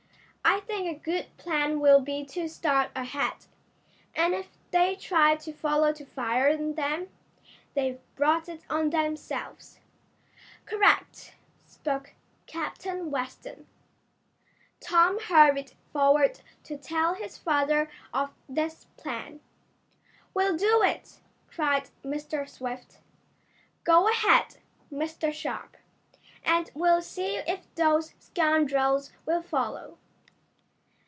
"I think a good plan will be to start ahead, and if they try to follow to fire on them. They've brought it on themselves." "Correct," spoke Captain Weston. Tom hurried forward to tell his father of this plan. "We'll do it!" cried Mr. Swift. "Go ahead, Mr. Sharp, and we'll see if those scoundrels will follow."